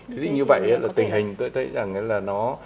thế như vậy là tình hình tôi thấy là nó